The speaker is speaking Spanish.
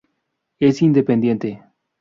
Es independiente.